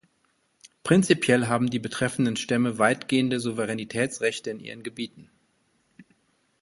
Prinzipiell haben die betreffenden Stämme weitgehende Souveränitätsrechte in ihren Gebieten.